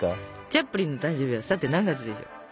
チャップリンの誕生日はさて何月でしょう？